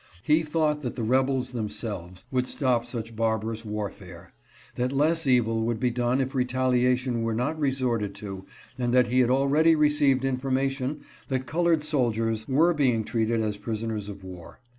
He thought that the rebels themselves would stop such barbarous warfare ; that less evil would be done if retaliation were not resorted to and that he had already received information that colored soldiers were being treated as prisoners of war.